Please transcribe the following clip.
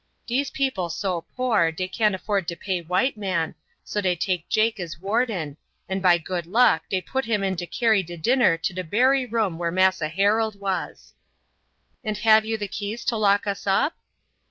Dese people so pore dey can't afford to pay white man, so dey take Jake as warden, and by good luck dey put him in to carry de dinner to de bery room where Massa Harold was." "And have you the keys to lock us up?"